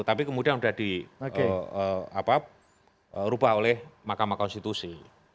tapi kemudian sudah dirubah oleh mahkamah konstitusi